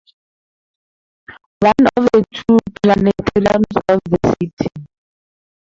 One of the two planetariums of the city.